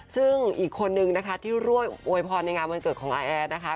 ซึ่งอีกคนนึงนะคะที่ร่วมอวยพรในงานวันเกิดของอาแอร์นะคะ